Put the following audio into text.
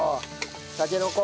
たけのこ。